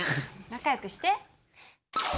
仲良くして。